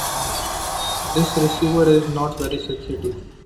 This receiver is not very sensitive.